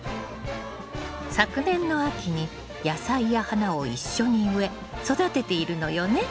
昨年の秋に野菜や花を一緒に植え育てているのよね。